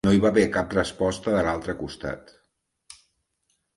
No hi va haver cap resposta de l'altre costat.